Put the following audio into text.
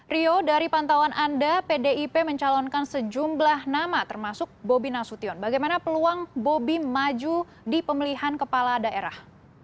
rio dari pantauan anda pdip mencalonkan sejumlah nama termasuk bobi nasution bagaimana peluang bobi maju di pemilihan kepala daerah